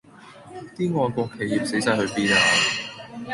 啲愛國企業死哂去邊呀